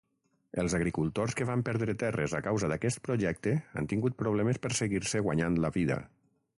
Els agricultors que van perdre terres a causa d'aquest projecte han tingut problemes per seguir-se guanyant la vida.